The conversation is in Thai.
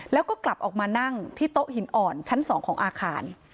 แล้วก็กลับออกมานั่งที่โต๊ะหินอ่อนชั้น๒ของอาคาร